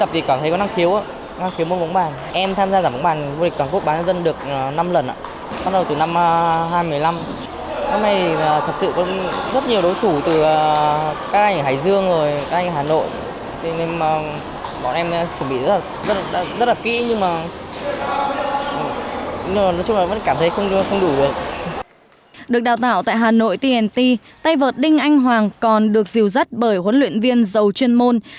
được đào tạo tại hà nội tnt tay vợt đinh anh hoàng còn được dìu dắt bởi huấn luyện viên giàu chuyên môn